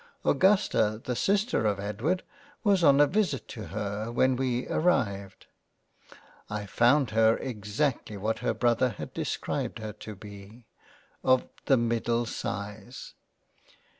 Augusta, the sister of Edward was on a visit to her whei we arrived. I found her exactly what her Brother hac described her to be — of the middle size.